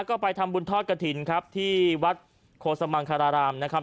ก็ไปทำบุญทอดกระถิ่นครับที่วัดโคสมังคารารามนะครับ